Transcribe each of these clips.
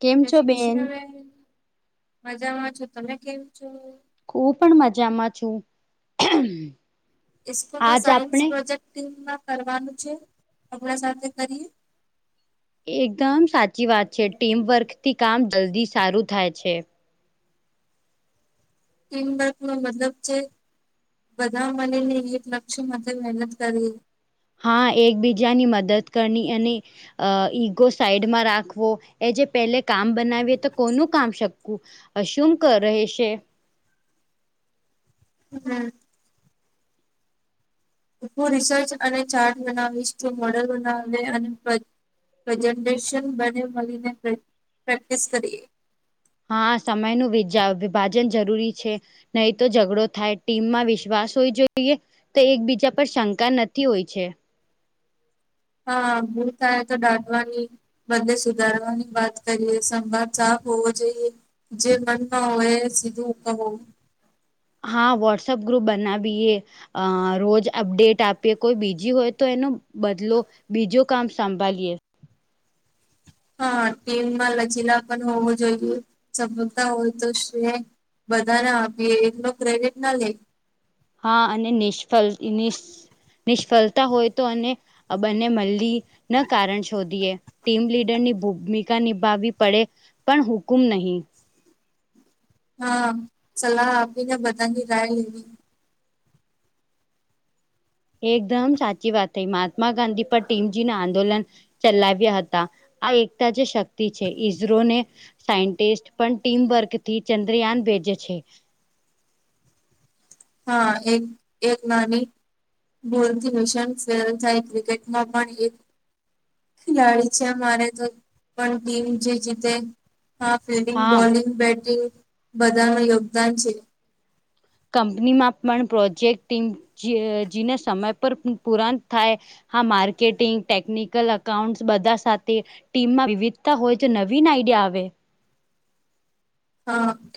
કેમ જય છો શ્રી કિષ્ણ બેન, મજામાં છો તમે કેમછો. ખુપણ મજામાં છું. [unintelligible] ઇસકૂલમાં આજ સાયન્સ આપણે પ્રોજેક્ટમાં કરવાનું છે, અમના સાથે કરીએ. એકદમ સાચી વાત છે, ટીમવર્ક થી કામ જલ્દી સારું થાય છે. ટીમવર્કનો મતલબ જે બધા મલીને એક લક્ષ માટે મહેનત કરી. હા એકબીજાની મદદ કરની અને અ ઈગો સાઈડમાં રાખવો, એજે પેલે કામ બનાવીએ તો કોનું કામ શકવું. હશુંમ કર રહેછે. [unintelligible] હૂ રિસર્ચ અને ચાર્ટ બનાવીશ, તુ મોડલ બનાવી અને પ્રેઝન્ટેશન બને મલીને પ્રે પ્રેક્ટિસ કરીએ. હા સમયનું વીજાવ વિભાજન જરૂરી છે. નહીં તો ઝઘડો થાય ટીમમાં વિશ્વાસ હોવી જોઈએ. તે એકબીજા પર શંકા નથી હોય છે. હા ભૂલ થાય તો દાટવાનીજ. બને સુધારવાની વાત કરીએ સંવાદ સાફ હોવો જોઈએ. જે મનમાં હોય એ સીધું કવુ. હા વોટ્સઅપ ગ્રુપ બનાવીએ. અ રોજ અપડેટ આપીએ, કોઈ બીજી હોય તો એનો બદલો. બીજો કામ સાંભાળીએ. હા ટીમમાં લચીલા પણ હોવું જોઈએ, સળતા હોય તો છે. બધાને આપીએ એટલો ક્રેડિટ નાલે. હા અને નિષ્ફળ નિષ નિષ્ફળતા હોય તો અને આ બંને મલ્લી ના કારણ શોધીએ ટીમ લીડરની ભૂમિકા નિભાવવી પડે પણ હુકુમ નહીં હા સલાહ આપી ને બધાની રાય લેવી એકદમ સાચી વાત થઈ મહાત્મા ગાંધી પર ટીમજી ના આંદોલન ચલાવ્યા હતા આ એકતા જે શક્તિ છે, ઈઝરોને સાયન્ટિસ્ટ પણ ટીમ વર્કથી ચંદ્રયાન ભેજે છે. હા એક એક નાની બોલથી [unintelligible] ક્રિકેટમાં પણ એ ખેલાડી છે, અમારે તો પણ ટીમ જે જીતે હા ફિલ્ડિંગ હા બોલિંગ બેટિંગ બધાનું યોગદાન છે કંપનીમાં પણ પ્રોજેક્ટીગ જે જીને સમય પર પુરાન થાય હા માર્કેટિંગ ટેકનિકલ અકાઉન્ટસ બધા સાથે ટીમમાં વિવિધતા હોય જ નવીન આઈડિયા આવે હ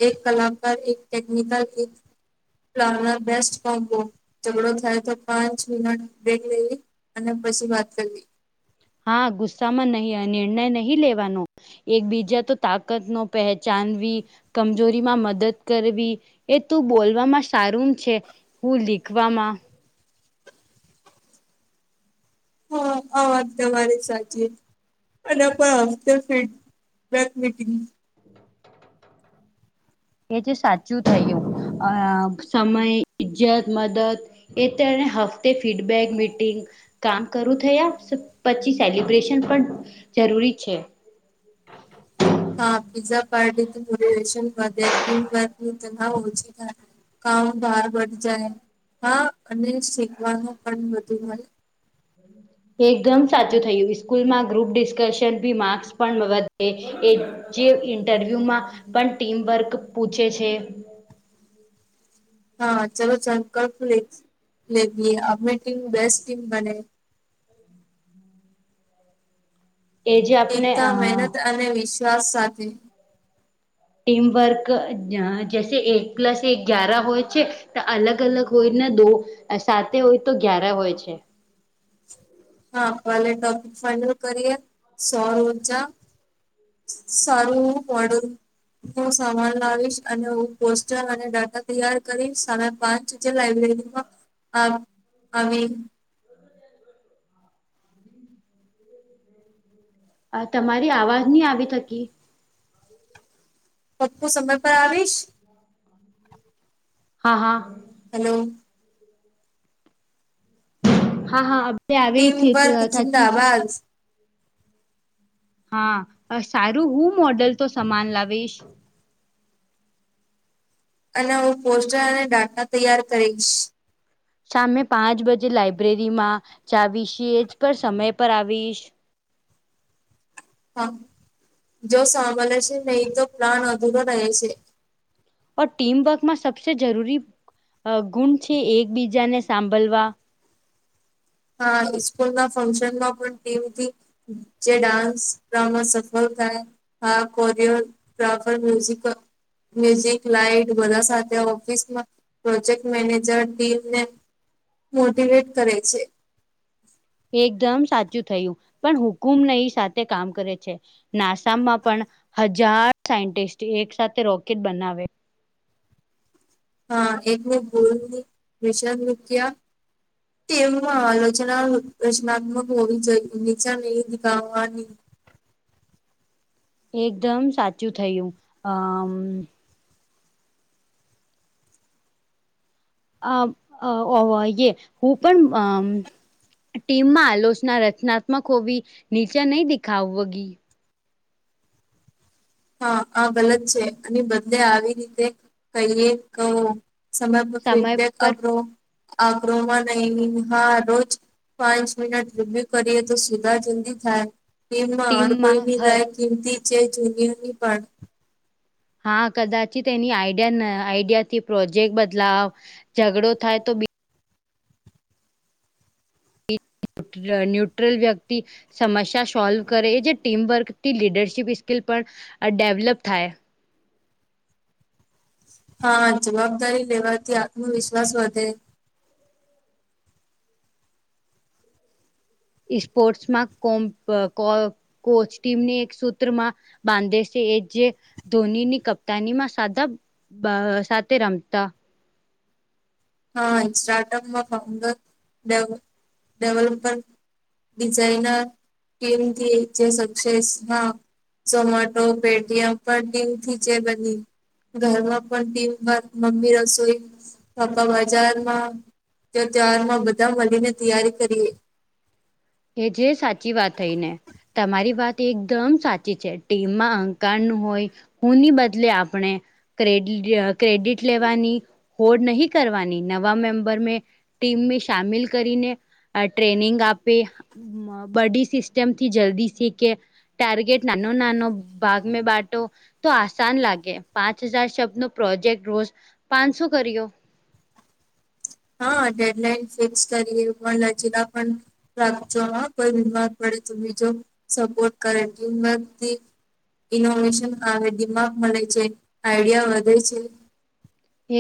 એક કલાકાર એક ટેકનિકલ એક [unintelligible] ઝગડો થાય તો પાંચ મિનટ [unintelligible] લઈ અને પછી વાત કરવી હાં ગુસ્સામાં નહી નિર્ણય આ નહીં લેવાનુ એકબીજા તો તાકતનો પહેચાનવી કમજોરીમાં મદદ કરવી એ તું બોલવામાં સારું છે. હું લીખવામાં હ આ વાત તમારી સાચી અને [unintelligible] મીટંગ એ જે સાચું થયું અ સમય ઈજ્જત મદદ એ તો એને હફતે ફીડબેક મીટિંગ કામ કરું થયા પછી સેલિબ્રેશન પણ જરૂરી છે હા પિઝા પાર્ટીથી [unintelligible] કામ બાર વઢ જાય હા અને શીખવાનું પણ બધુ મલે હમ એકદમ સાચું થયું ઈસ્કૂલમાં ગ્રુપ ડિસ્કશન ભી માર્ક્સ પણ વધે એ જે ઇન્ટરવ્યુમાં પણ ટીમ વર્ક પૂછે છે. હાં ચલો [unintelligible] આપની ટીમ બેસ્ટ ટીમ બને એ જે આપણે એકતા, અ મહેનત અને વિશ્વાસ સાથે ટીમ વર્ક જ એક પ્લસ એક ગ્યયાર હોય છે તો અલગ અલગ હોય ને દો, સાતે હોય તો ગ્યાર હોય છે. હા [unintelligible] લે ટોપિક ફાઈનલ કરીય સોરોજા સરું મડું હું સામાન લાવીશ અને હું પોસ્ટર અને ડાટા તૈયાર કરીશ સાડા પાંચ જો લાબ્રેરીમાં મા આ આવી, આ તમારી અવાજ નહી આવી થકી, પપ્પુ સમય પર આવીશ. હા હા, હાલો. હા હા [unintelligible] આવી ટીમ થી વર્ક થકી [inaudible] હા સારું હું મોડલ તો સમાન લાવીશ અને હું પોસ્ટર અને ડાટા તૈયાર કરીશ સામે પાંચ બજે લાઈબ્રેરીમાં જાવીશી જ પર સમય પર આવીશ હા જો સાંભલે છે, અને ઈ તો પ્લાન અધુરો રહે છે. ઓર ટીમવર્કમાં સબસે જરૂરી અ ગુણ છે એકબીજાને સાંભલવા હા સ્કૂલના ફંક્શનમાં પણ ટીમથી જે ડાન્સ કમાં સફળ થાય હા choreographer music music light બધા સાથે ઓફિસમા પ્રોજેક્ટ મેનેજર ટીમને મોટવેટ કરે છે. એકદમ સાચું થયું પણ હુકુમ નહી સાથે કામ કરે છે. નાસામમાં પણ હજાર સાયન્ટિસ્ટ એક સાથે રોકેટ બનાવે હા એક બો વિષદ રૃપિયા એમ આ રચના રચનાત્મક હોવી જ નિચ ગવાની એકદમ સાચું થયું અમ અ ય હું પણ અ ટીમમાં આલોચના રચનાત્મક હોવી નીચે નહી દેખાવગી હા આ ભલ જ છે, અને બદલે આવી રીતે કહીએ કહો સમય સમય ફીડબેક પર આપરો આરોમાં નહી હા રોજ પાંચ મહિના રીબ્યુ કરીએ તો સીધા જુદી થાય ટમમાં હ ટીમમાં હર કોઈનીાય સિમતી ચ જન્યુની પણણ હા કદાચી એની આઈડિયા આઈડિયાથી પ્રોજેક્ટ બદલાવ ઝઘડો થાય તો બ ન્યટ ન્યુટ્રલ વ્યક્તિ સમસ્યા સોલ્વ કરે એ જે ટીમવર્ક થી લીડરશીપ સ્કીલ પણ ડેવલપ થાય. હા જવાબદારી લેવાથી આત્મવિશ્વાસ વધે સ્પોર્ટ્સ માં કોમ કો કોચ ટીમને એક સૂત્રમાં બાંધે છે, એ જે ધોનીની કપ્તાનીમાં સાદા સાથે રમતા હા સ્ટાર્ટઅપમાં ફઉન્ડરે ડેવલપર ડિઝઇનર ટીમથી જે સક્સેસમા ઝોમેટો પેટીએમ પણ ટિં થી જે બધ ઘરમાં પણ ટીમ વાર મમ્મી રસોઈ. બજારમાં ત તારમાં બધા મળીને તૈયારી કરીએ એ જે સાચી વાત થઈ ને તમારી વાત એકદમ સાચી છે ટીમમાં અહંકાર નું હોય. હુની બદલે આપણે ક્રેડિટ લેવાની હોર્ડ નહીં કરવાની નવા મેમ્બર મેં ટીમને સામેલ કરીને ટ્રેનિંગ આપે બડી સિસ્ટમથી જલ્દી સ કે ટારગેટ નનુ નાનો ભાગ્મે બાટો તો આસાન લાગે પાંચ હજાર શબ્દ નો પ્રોજેક્ટ રોજ પાંચસો કર્યો હા ડેડલાઈન ફિક્સ કરીએ પણ નજીલા પણ રાખજો હા કોઈ બીમાર પડે તો બી જો સપોર્ટ કરેરથી ઇનોવેશન આવે દિમાગ મળે છે, આઈડિયા વધે છે.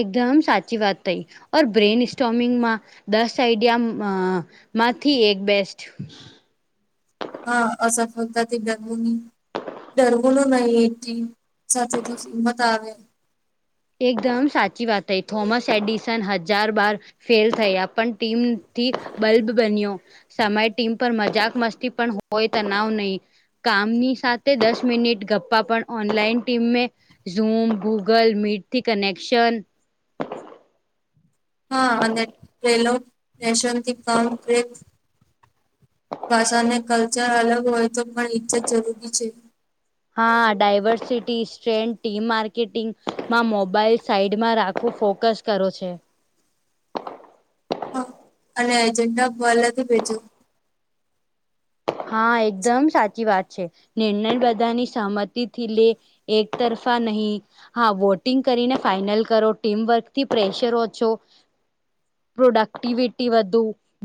એકદમ સાચી વાત થઈ, ઓર બ્રેઇન સ્ટોમિંગમાં દસ આઈડિયા માંથી એક બેસ્ટ હા અ ફોલતા ત બેોની ડરવોલું નહીિ એ સાથે તો હિમત આવે એકદમ સાચી વાત હૈ થોમસ એડિસન હજાર બાર ફેલ થયા પણ ટીમથી બલ્બ બન્યો સમય ટીમ પર મજાક મસ્તી પણ હોય તનાવ નહી. કામની સાથે દસ મિનિટ ગપ્પા પણ ઓનલાઈન ટીમે ઝૂમ ગૂગલ મીટથી કનેક્શન હા અને ટલો સ્ટેશનથી કામ્રે ભાષાને કલ્ચર અલગ હોય તો પણ ઈજ્જત જરૂરી છે. હા ડાયવર્સિટી સ્ટ્રેન્થ ટી માર્કેટિંગમા મોબાઈલ સાઈડમાં રાખવ ફોકસ કરો છે. હ અને જેના ભલેથી ભેજું. હા, એકદમ સાચી વાત છે. નિર્ણય બધાની સહમતીથી લે એક તરફા નહીં. હા વોટિંગ કરીને ફાઈનલ કરો, ટીમ વર્કથી પ્રેશર ઓછો પ્રોડક્ટિવિટી વધુ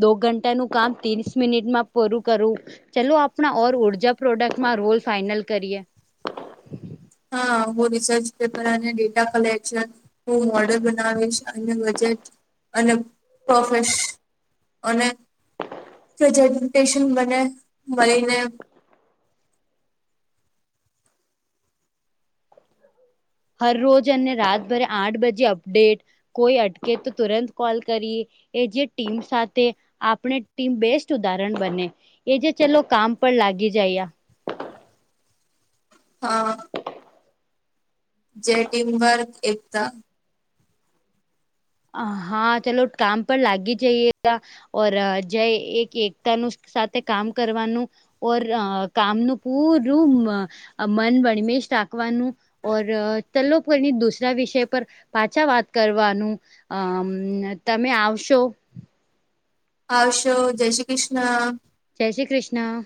દો ઘંટાનું કામ ત્રીસ મિનિટમાં પૂરું કરું. ચલુ આપણા ઓર ઉર્જા પ્રોડક્ટમાં રોલ ફાઈનલ કરીએ. હા હું રિસર્ચ પેપર અને ડેટા કલેક્શન હું મોડલ બનાવીશ અને બજેટ અને પર્સ અને પ્રેઝેન્ટેશન મને મળીને હરરોજ અને રાતભરે આઠ બજે અપડેટ કોઈ અટકે તો તુરંત કોલ કરી એ જે ટીમ સાથે આપણે ટીમ બેસ્ટ ઉદાહરણ બને. એ જે ચલો કામ પર લાગી જાયા. હા. જે ટિમવર્ક એકતા હા ચલો કામ પણ લાગી જઈએ ઓર જય એક એકતાનું સાથે કામ કરવાનું ઓર અ કામનું પૂરું અ મ મન વણમેસ રાખવાનું. ઓર તલોની દુસરા વિષય પર પાછા વાત કરવાનું. અ તમે આવશો? આવશો જય શ્રી કૃષ્ણ. જય શ્રી કૃષ્ણ.